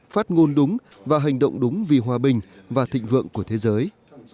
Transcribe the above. phát ngôn đúng và hành động đúng vì hòa bình và thịnh vượng của thế giới